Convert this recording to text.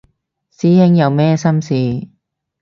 師兄有咩心事